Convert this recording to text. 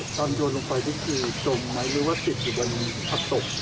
โยนลงไปนี่คือจมไหมหรือว่าติดอยู่บนผักตบ